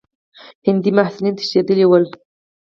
هندي محصلین تښتېدلي ول.